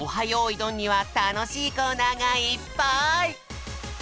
よいどん」にはたのしいコーナーがいっぱい！